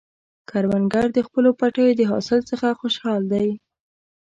کروندګر د خپلو پټیو د حاصل څخه خوشحال دی